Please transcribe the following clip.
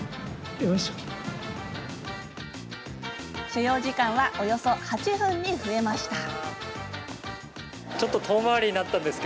所要時間はおよそ８分に増えました。